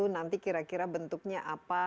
nanti kira kira bentuknya apa